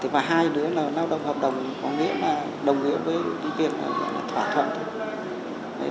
và hai đứa là lao động hợp đồng có nghĩa là đồng nghĩa với việc thỏa thuận